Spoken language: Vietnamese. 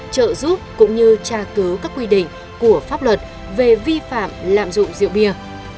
trợ giúp cũng như tra cứu các quy định của pháp luật về vi phạm lạm dụng rượu bia